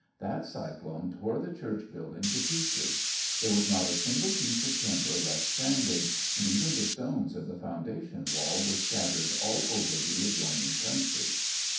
That cyclone tore the church building to pieces. There was not a single piece of timber left standing, and even the stones of the foun dation wall were scattered all over the adjoin ing country.